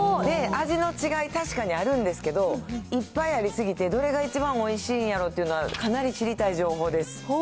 味の違い、確かにあるんですけど、いっぱいありすぎてどれが一番おいしいんやろっていうのは、かなり知りたい情報です。